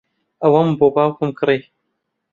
ئەوەم بۆ باوکم کڕی.